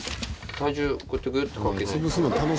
体重こうやってグッとかけないと。